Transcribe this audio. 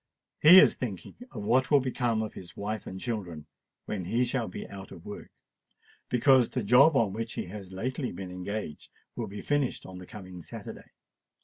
He is thinking of what will become of his wife and children when he shall be out of work—because the job on which he has lately been engaged will be finished on the coming Saturday.